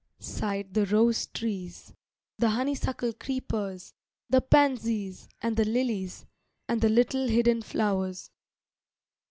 sighed the rose trees, The honeysuckle creepers, The pansies, and the lilies, And the little hidden flowers.